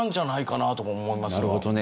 なるほどね。